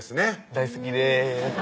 大好きです